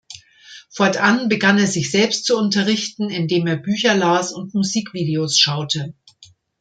Fortan begann er sich selbst zu unterrichten, indem er Bücher las und Musikvideos schaute.